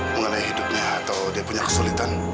mengenai hidupnya atau dia punya kesulitan